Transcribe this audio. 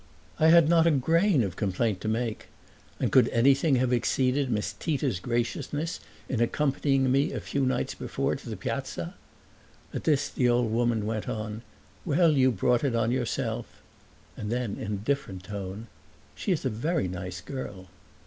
I had not a grain of complaint to make; and could anything have exceeded Miss Tita's graciousness in accompanying me a few nights before to the Piazza? At this the old woman went on: "Well, you brought it on yourself!" And then in a different tone, "She is a very nice girl."